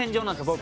僕。